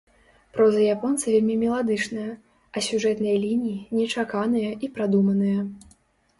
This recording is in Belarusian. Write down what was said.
Проза японца вельмі меладычная, а сюжэтныя лініі нечаканыя і прадуманыя.